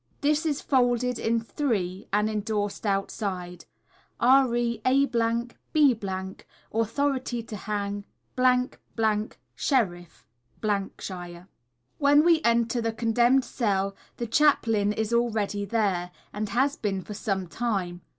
_ This is folded in three, and endorsed outside. Re A B . Authority to Hang. , Sheriff, _ shire._ When we enter the condemned cell, the chaplain is already there, and has been for some time.